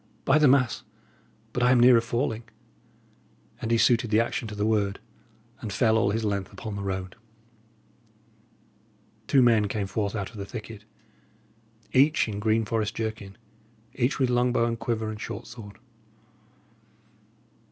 "By the mass, but I am nearer falling." And he suited the action to the word, and fell all his length upon the road. Two men came forth out of the thicket, each in green forest jerkin, each with long bow and quiver and short sword.